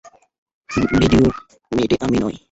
ভিডিওর মেয়েটি আমি নই।